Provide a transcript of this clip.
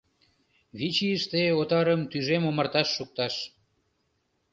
Вич ийыште отарым тӱжем омарташ шукташ...